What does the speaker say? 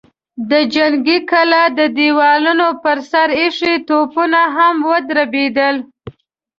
د جنګي کلا د دېوالونو پر سر ايښي توپونه هم ودربېدل.